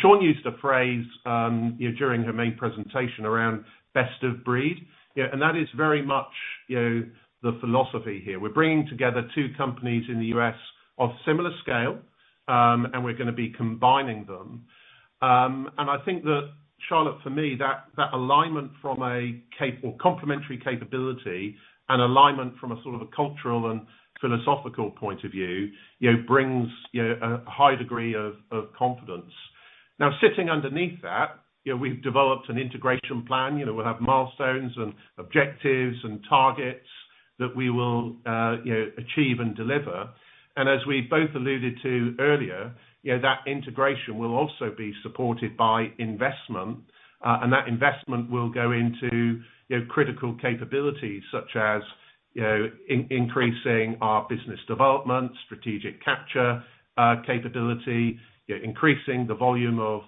[SPEAKER 2] Shawn used a phrase, you know, during her main presentation around best of breed. Yeah, that is very much, you know, the philosophy here. We're bringing together two companies in the U.S. of similar scale, and we're gonna be combining them. I think that Charlotte, for me, that alignment from a complementary capability and alignment from a sort of a cultural and philosophical point of view, you know, brings you a high degree of confidence. Now, sitting underneath that, you know, we've developed an integration plan. You know, we'll have milestones and objectives and targets that we will you know, achieve and deliver. As we both alluded to earlier, you know, that integration will also be supported by investment. That investment will go into, you know, critical capabilities such as, you know, increasing our business development, strategic capture capability. You know, increasing the volume of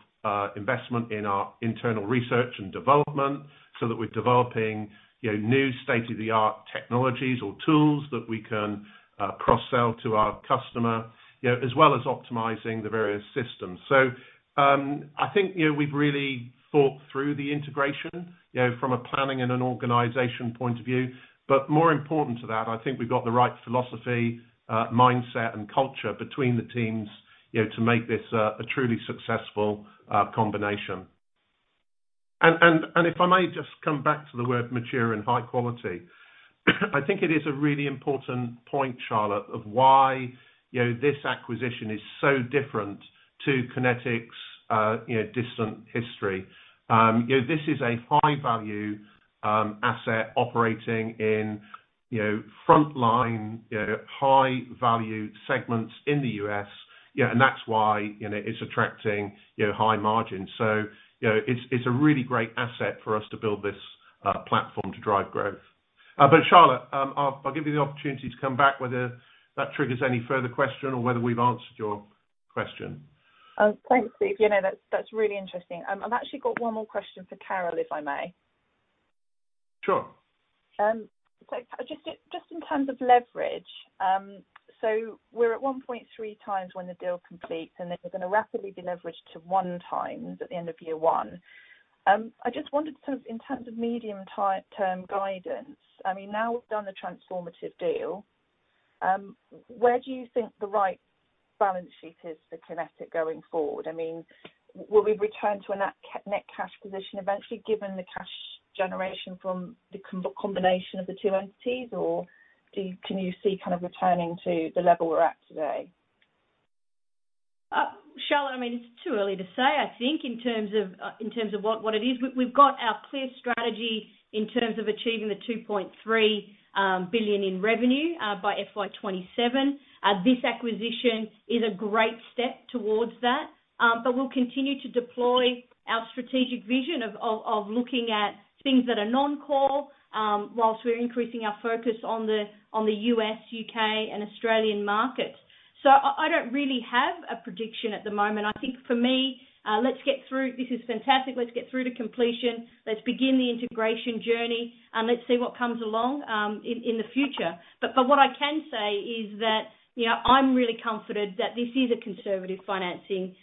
[SPEAKER 2] investment in our internal research and development so that we're developing, you know, new state-of-the-art technologies or tools that we can cross-sell to our customer, you know, as well as optimizing the various systems. I think, you know, we've really thought through the integration, you know, from a planning and an organization point of view. More important to that, I think we've got the right philosophy, mindset, and culture between the teams, you know, to make this a truly successful combination. If I may just come back to the word mature and high quality, I think it is a really important point, Charlotte, of why, you know, this acquisition is so different to QinetiQ's, you know, distant history. This is a high-value asset operating in, you know, frontline, you know, high-value segments in the U.S., you know, and that's why, you know, it's attracting, you know, high margins. It's a really great asset for us to build this platform to drive growth. Charlotte, I'll give you the opportunity to come back whether that triggers any further question or whether we've answered your question.
[SPEAKER 7] Thanks, Steve. You know, that's really interesting. I've actually got one more question for Carol, if I may.
[SPEAKER 2] Sure.
[SPEAKER 7] Just in terms of leverage, we're at 1.3x when the deal completes, and then you're gonna rapidly deleverage to 1x at the end of year one. I just wondered sort of in terms of medium-term guidance. I mean, now we've done the transformative deal, where do you think the right balance sheet is for QinetiQ going forward? I mean, will we return to a net cash position eventually given the cash generation from the combination of the two entities, or can you see kind of returning to the level we're at today?
[SPEAKER 4] Charlotte, I mean, it's too early to say, I think, in terms of what it is. We've got our clear strategy in terms of achieving 2.3 billion in revenue by FY 2027. This acquisition is a great step towards that, but we'll continue to deploy our strategic vision of looking at things that are non-core while we're increasing our focus on the U.S., U.K., and Australian markets. I don't really have a prediction at the moment. I think for me, let's get through. This is fantastic. Let's get through to completion. Let's begin the integration journey, and let's see what comes along in the future. What I can say is that, you know, I'm really comforted that this is a conservative financing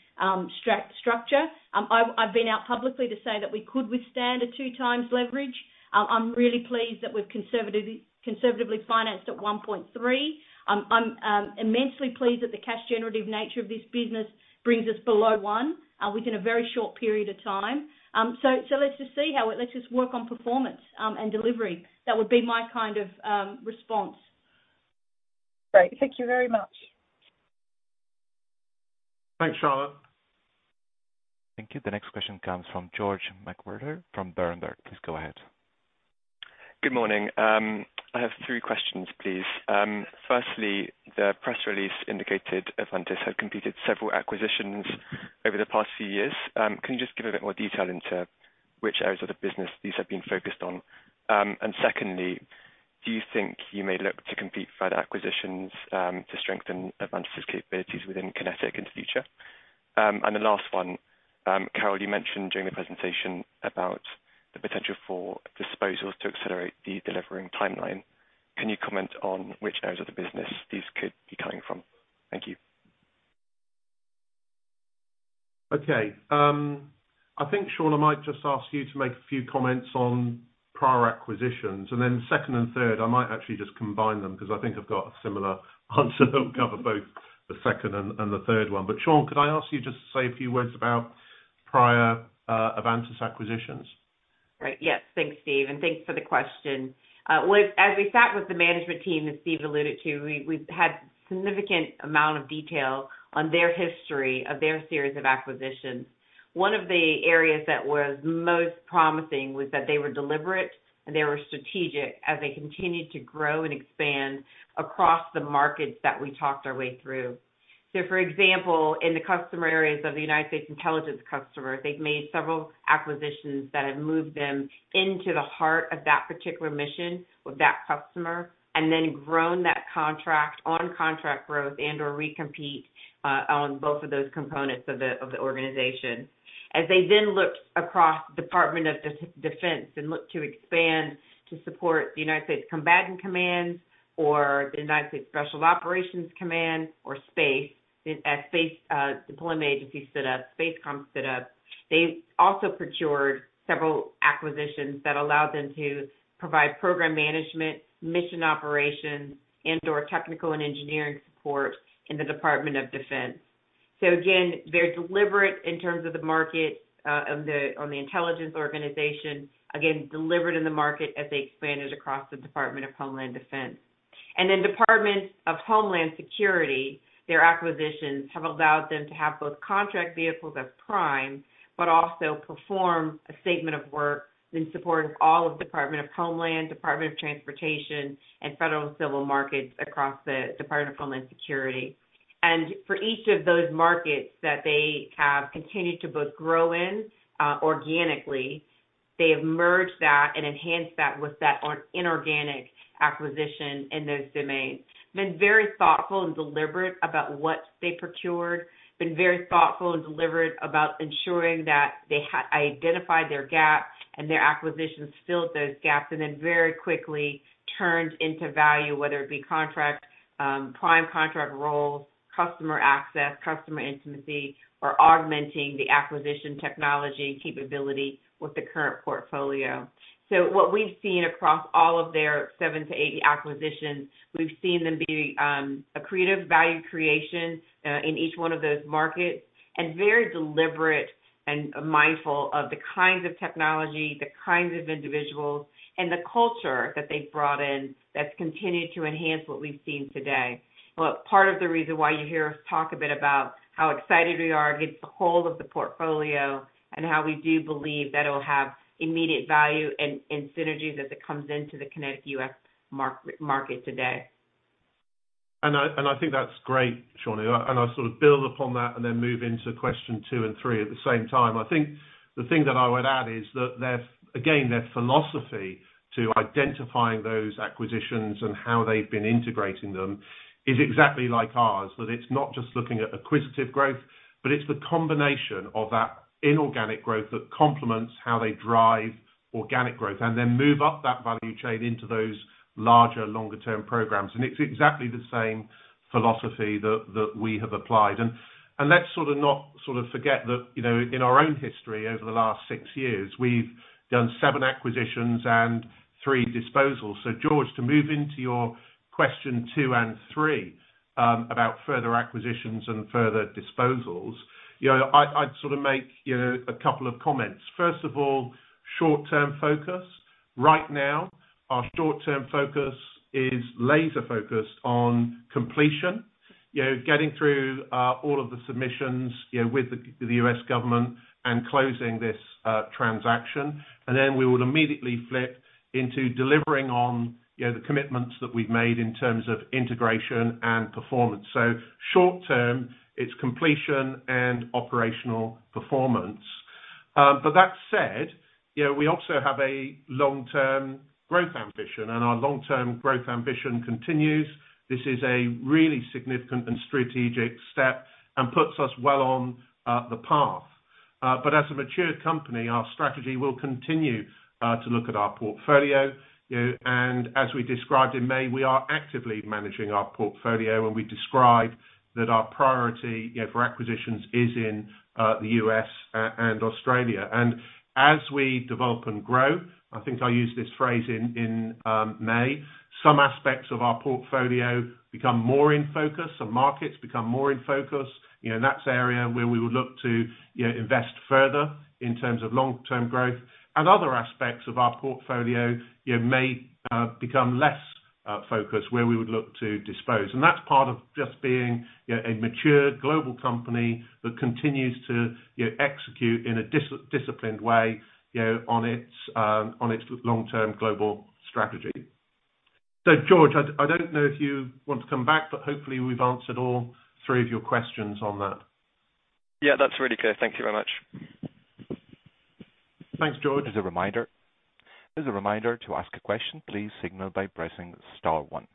[SPEAKER 4] structure. I've been out publicly to say that we could withstand 2x leverage. I'm really pleased that we've conservatively financed at 1.3x. I'm immensely pleased that the cash generative nature of this business brings us below 1x within a very short period of time. Let's just work on performance and delivery. That would be my kind of response.
[SPEAKER 7] Great. Thank you very much.
[SPEAKER 2] Thanks, Charlotte.
[SPEAKER 5] Thank you. The next question comes from George McWhirter from Berenberg. Please go ahead.
[SPEAKER 8] Good morning. I have three questions, please. Firstly, the press release indicated Avantus had completed several acquisitions over the past few years. Can you just give a bit more detail into which areas of the business these have been focused on? Secondly, do you think you may look to complete further acquisitions to strengthen Avantus' capabilities within QinetiQ into the future? The last one, Carol, you mentioned during the presentation about the potential for disposals to accelerate the delivering timeline. Can you comment on which areas of the business these could be coming from? Thank you.
[SPEAKER 2] Okay. I think, Shawn, I might just ask you to make a few comments on prior acquisitions, and then second and third, I might actually just combine them because I think I've got a similar answer that'll cover both the second and the third one. Shawn, could I ask you just to say a few words about prior Avantus acquisitions?
[SPEAKER 3] Right. Yes. Thanks, Steve. Thanks for the question. As we sat with the management team that Steve alluded to, we've had significant amount of detail on their history of their series of acquisitions. One of the areas that was most promising was that they were deliberate, and they were strategic as they continued to grow and expand across the markets that we talked our way through. For example, in the customer areas of the United States intelligence customer, they've made several acquisitions that have moved them into the heart of that particular mission with that customer and then grown that contract on contract growth and/or recompete, on both of those components of the organization. They looked across Department of Defense and looked to expand to support the Unified Combatant Command or the United States Special Operations Command or space, as Space Development Agency stood up, Spacecom stood up. They also procured several acquisitions that allowed them to provide program management, mission operations, and/or technical and engineering support in the Department of Defense. Again, very deliberate in terms of the market on the intelligence organization. Again, deliberate in the market as they expanded across the Department of Homeland Security. Department of Homeland Security, their acquisitions have allowed them to have both contract vehicles as prime, but also perform a statement of work in support of all of Department of Homeland Security, Department of Transportation, and federal and civil markets across the Department of Homeland Security. For each of those markets that they have continued to both grow in organically. They have merged that and enhanced that with an inorganic acquisition in those domains. Been very thoughtful and deliberate about what they procured, been very thoughtful and deliberate about ensuring that they identified their gap and their acquisitions filled those gaps and then very quickly turned into value, whether it be contract prime contract roles, customer access, customer intimacy, or augmenting the acquisition technology capability with the current portfolio. What we've seen across all of their 70-80 acquisitions, we've seen them be a creative value creation in each one of those markets, and very deliberate and mindful of the kinds of technology, the kinds of individuals, and the culture that they've brought in that's continued to enhance what we've seen today. Well, part of the reason why you hear us talk a bit about how excited we are across the whole of the portfolio and how we do believe that it'll have immediate value and synergy as it comes into the QinetiQ U.S. market today.
[SPEAKER 2] I think that's great, Shawn. I sort of build upon that and then move into question two and three at the same time. I think the thing that I would add is that their philosophy to identifying those acquisitions and how they've been integrating them is exactly like ours. It's not just looking at acquisitive growth, but it's the combination of that inorganic growth that complements how they drive organic growth and then move up that value chain into those larger, longer term programs. It's exactly the same philosophy that we have applied. Let's sort of not forget that, you know, in our own history over the last six years, we've done seven acquisitions and three disposals. George, to move into your question two and three about further acquisitions and further disposals. You know, I'd sort of make, you know, a couple of comments. First of all, short-term focus. Right now, our short-term focus is laser-focused on completion. You know, getting through all of the submissions, you know, with the U.S. government and closing this transaction. Then we would immediately flip into delivering on, you know, the commitments that we've made in terms of integration and performance. Short-term, it's completion and operational performance. That said, you know, we also have a long-term growth ambition, and our long-term growth ambition continues. This is a really significant and strategic step and puts us well on the path. As a mature company, our strategy will continue to look at our portfolio, you know, and as we described in May, we are actively managing our portfolio. We described that our priority, you know, for acquisitions is in the U.S. and Australia. As we develop and grow, I think I used this phrase in May, some aspects of our portfolio become more in focus and markets become more in focus, you know, and that's the area where we would look to, you know, invest further in terms of long-term growth. Other aspects of our portfolio, you know, may become less focused where we would look to dispose. That's part of just being, you know, a mature global company that continues to, you know, execute in a disciplined way, you know, on its long-term global strategy. George, I don't know if you want to come back, but hopefully we've answered all three of your questions on that.
[SPEAKER 8] Yeah, that's really clear. Thank you very much.
[SPEAKER 2] Thanks, George.
[SPEAKER 5] As a reminder to ask a question, please signal by pressing star one.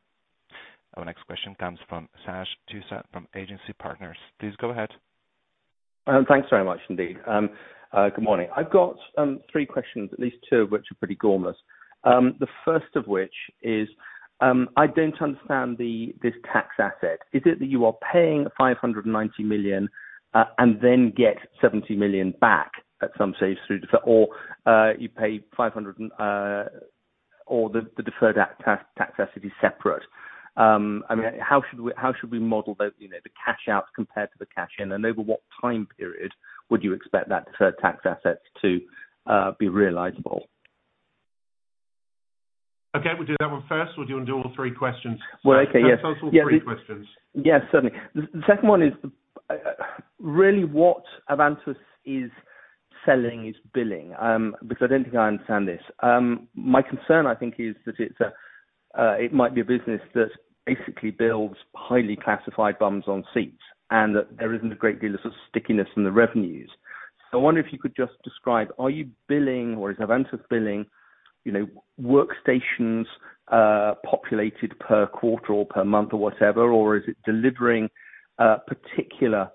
[SPEAKER 5] Our next question comes from Sash Tusa from Agency Partners. Please go ahead.
[SPEAKER 9] Thanks very much indeed. Good morning. I've got three questions, at least two of which are pretty gormless. The first of which is, I don't understand this tax asset. Is it that you are paying $590 million and then get $70 million back at some stage through deferred or the deferred tax asset is separate? I mean, how should we model the cash out compared to the cash in? Over what time period would you expect that deferred tax asset to be realizable?
[SPEAKER 2] Okay, we'll do that one first. Do you wanna do all three questions?
[SPEAKER 9] Well, okay. Yes.
[SPEAKER 2] Let's do all three questions.
[SPEAKER 9] Yeah, certainly. The second one is really what Avantus is selling is billing, because I don't think I understand this. My concern, I think, is that it's a it might be a business that basically builds highly classified bums on seats and that there isn't a great deal of sort of stickiness in the revenues. I wonder if you could just describe, are you billing or is Avantus billing, you know, workstations populated per quarter or per month or whatever, or is it delivering particular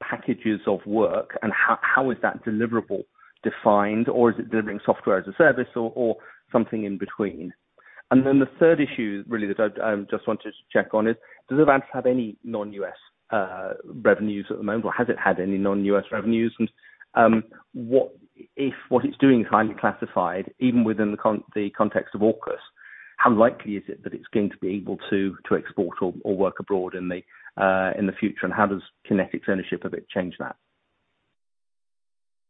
[SPEAKER 9] packages of work and how is that deliverable defined, or is it delivering software as a service or something in between? The third issue really that I just wanted to check on is, does Avantus have any non-U.S. revenues at the moment, or has it had any non-U.S. revenues? What if what it's doing is highly classified, even within the context of AUKUS, how likely is it that it's going to be able to export or work abroad in the future, and how does QinetiQ's ownership of it change that?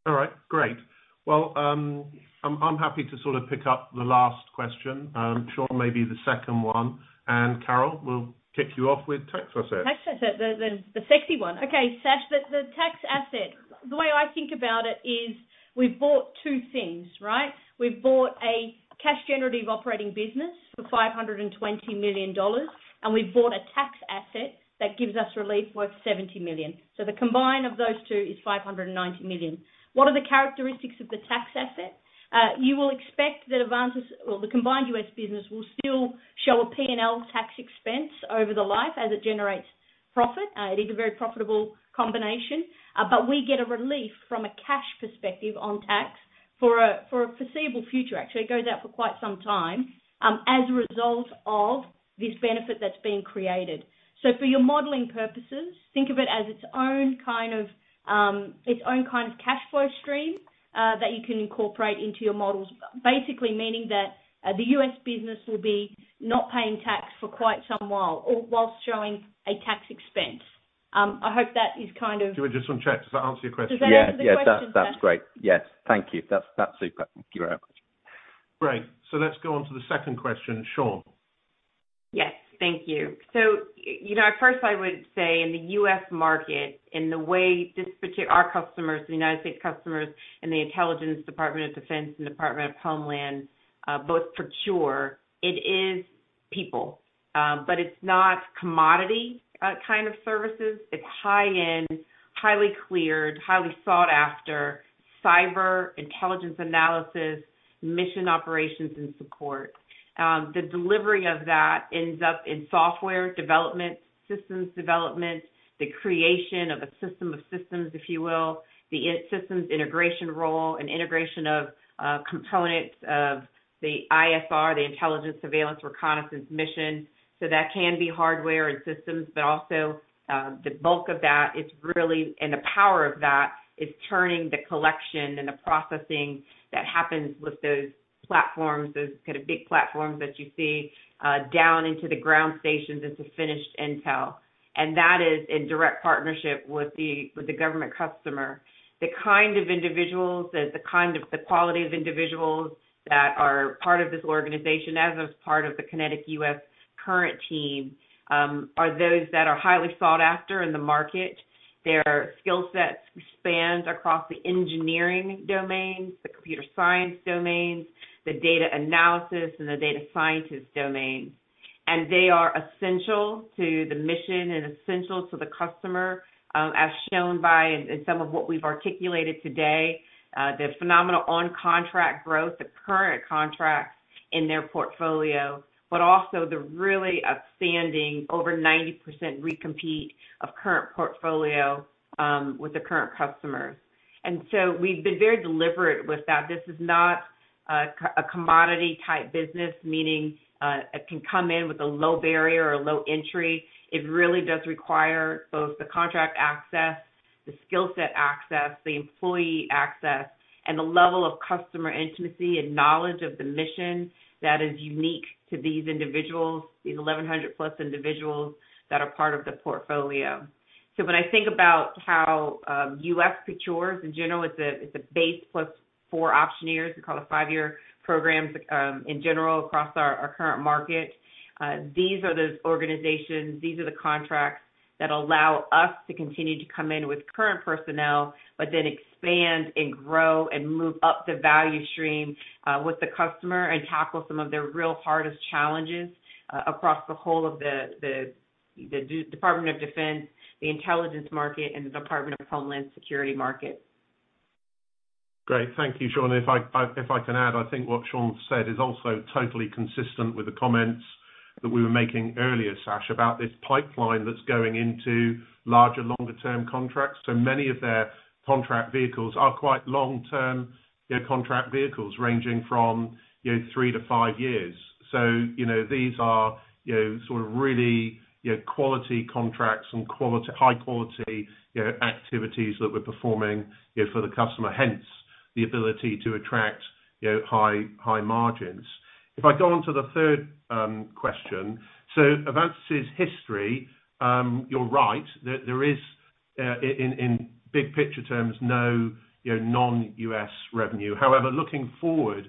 [SPEAKER 2] All right. Great. Well, I'm happy to sort of pick up the last question. Shawn, maybe the second one, and Carol, we'll kick you off with tax assets.
[SPEAKER 3] Tax asset. The sexy one. Okay, Sash. The tax asset, the way I think about it is we've bought two things, right? We've bought a cash generative operating business for $520 million, and we've bought a tax asset that gives us relief worth $70 million. The combination of those two is $590 million. What are the characteristics of the tax asset? You will expect that Avantus or the combined U.S. business will still show a P&L tax expense over the life as it generates profit. It is a very profitable combination, but we get a relief from a cash perspective on tax for a foreseeable future. Actually, it goes out for quite some time as a result of this benefit that's being created. For your modeling purposes, think of it as its own kind of cash flow stream that you can incorporate into your models. Basically meaning that the U.S. business will be not paying tax for quite some while or while showing a tax expense. I hope that is kind of.
[SPEAKER 2] Do you want just to check, does that answer your question?
[SPEAKER 3] Does that answer the question, Sash?
[SPEAKER 9] Yes. That's great. Yes. Thank you. That's super. Thank you very much.
[SPEAKER 2] Great. Let's go on to the second question, Shawn.
[SPEAKER 3] Yes. Thank you. You know, first I would say in the U.S. market, in the way our customers, the United States customers, the United States Department of Defense, and the United States Department of Homeland Security both procure. It is people, but it's not commodity kind of services. It's high-end, highly cleared, highly sought after cyber intelligence analysis, mission operations and support. The delivery of that ends up in software development, systems development, the creation of a system of systems, if you will. The systems integration role and integration of components of the ISR, the intelligence surveillance reconnaissance mission. That can be hardware and systems, but also, the bulk of that is really, and the power of that is turning the collection and the processing that happens with those platforms, those kind of big platforms that you see, down into the ground stations into finished intel. That is in direct partnership with the government customer. The quality of individuals that are part of this organization as is part of the QinetiQ U.S. current team are those that are highly sought after in the market. Their skill sets span across the engineering domains, the computer science domains, the data analysis, and the data scientist domain. They are essential to the mission and essential to the customer, as shown by in some of what we've articulated today. The phenomenal contract growth, the current contracts in their portfolio, but also the really outstanding over 90% recompete of current portfolio, with the current customers. We've been very deliberate with that. This is not a commodity type business, meaning, it can come in with a low barrier or low entry. It really does require both the contract access, the skill set access, the employee access, and the level of customer intimacy and knowledge of the mission that is unique to these individuals, these 1,100+ individuals that are part of the portfolio. When I think about how U.S. procures in general, it's a base plus four option years. We call it five-year programs, in general, across our current market. These are those organizations, these are the contracts that allow us to continue to come in with current personnel, but then expand and grow and move up the value stream, with the customer and tackle some of their real hardest challenges across the whole of the Department of Defense, the intelligence market, and the Department of Homeland Security market.
[SPEAKER 2] Great. Thank you, Shawn. If I can add, I think what Shawn said is also totally consistent with the comments that we were making earlier, Sash, about this pipeline that's going into larger, longer term contracts. Many of their contract vehicles are quite long-term, you know, contract vehicles ranging from, you know, three to five years. You know, these are, you know, sort of really, you know, quality contracts and high quality, you know, activities that we're performing, you know, for the customer, hence, the ability to attract, you know, high margins. If I go on to the third question. Avantus' history, you're right. There is, in big picture terms, no, you know, non-U.S. revenue. However, looking forward,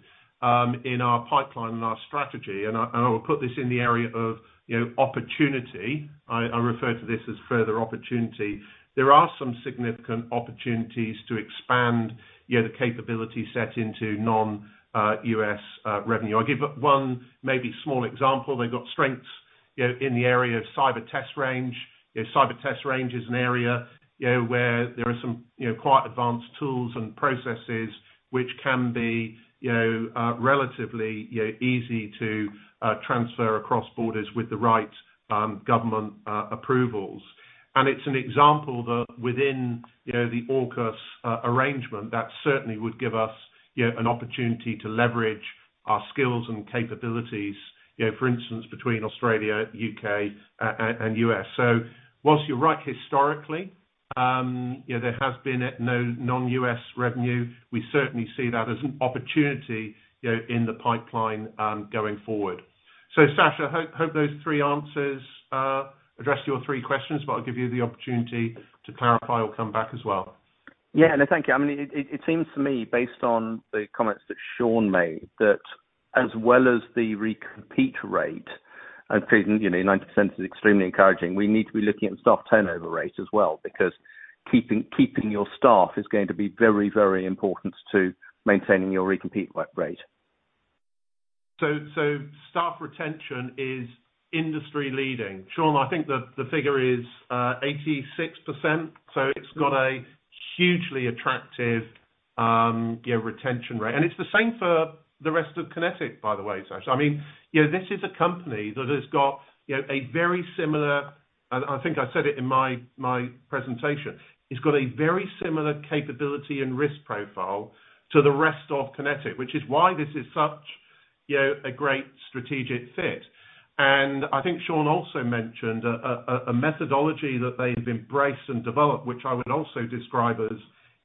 [SPEAKER 2] in our pipeline and our strategy, and I will put this in the area of, you know, opportunity. I refer to this as further opportunity. There are some significant opportunities to expand, you know, the capability set into non-U.S. revenue. I'll give one maybe small example. They've got strengths, you know, in the area of cyber test range. You know, cyber test range is an area, you know, where there are some, you know, quite advanced tools and processes which can be, you know, relatively easy to transfer across borders with the right government approvals. It's an example that within, you know, the AUKUS arrangement, that certainly would give us, you know, an opportunity to leverage our skills and capabilities, you know, for instance, between Australia, U.K., and U.S. While you're right historically, you know, there has been no non-U.S. revenue, we certainly see that as an opportunity, you know, in the pipeline, going forward. Sash, hope those three answers address your three questions, but I'll give you the opportunity to clarify or come back as well.
[SPEAKER 9] Yeah. No, thank you. I mean, it seems to me, based on the comments that Shawn made, that as well as the recompete rate. Chris, you know, 90% is extremely encouraging. We need to be looking at staff turnover rate as well, because keeping your staff is going to be very, very important to maintaining your recompete rate.
[SPEAKER 2] Staff retention is industry leading. Shawn, I think the figure is 86%. It's got a hugely attractive retention rate. It's the same for the rest of QinetiQ, by the way, Sash. I mean, you know, this is a company that has got, you know, a very similar. I think I said it in my presentation. It's got a very similar capability and risk profile to the rest of QinetiQ, which is why this is such, you know, a great strategic fit. I think Shawn also mentioned a methodology that they've embraced and developed, which I would also describe as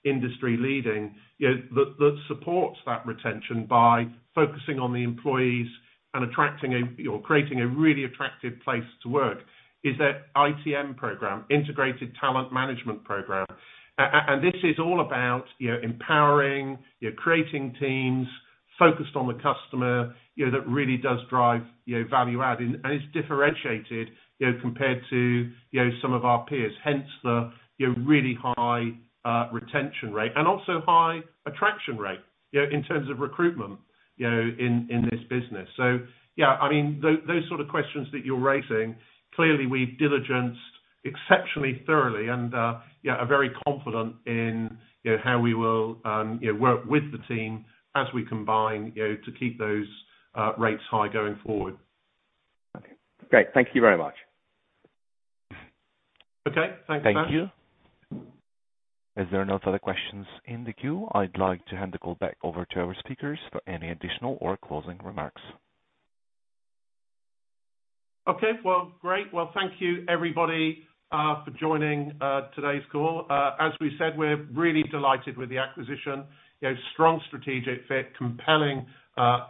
[SPEAKER 2] industry leading, you know, that supports that retention by focusing on the employees and attracting a, you know, creating a really attractive place to work is their ITM program, Integrated Talent Management program. This is all about, you know, empowering, you're creating teams focused on the customer, you know, that really does drive, you know, value add, and it's differentiated, you know, compared to, you know, some of our peers, hence the, you know, really high retention rate and also high attraction rate, you know, in terms of recruitment, you know, in this business. Yeah, I mean, those sort of questions that you're raising, clearly we've diligenced exceptionally thoroughly and, yeah, are very confident in, you know, how we will, you know, work with the team as we combine, you know, to keep those rates high going forward.
[SPEAKER 9] Okay. Great. Thank you very much.
[SPEAKER 2] Okay. Thank you.
[SPEAKER 5] As there are no further questions in the queue, I'd like to hand the call back over to our speakers for any additional or closing remarks.
[SPEAKER 2] Okay. Well, great. Well, thank you, everybody, for joining today's call. As we said, we're really delighted with the acquisition. You know, strong strategic fit, compelling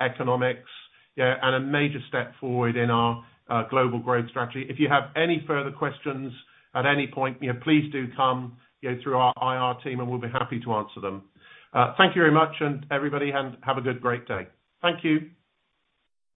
[SPEAKER 2] economics, and a major step forward in our global growth strategy. If you have any further questions at any point, you know, please do come through our IR team, and we'll be happy to answer them. Thank you very much, and everybody have a good, great day. Thank you.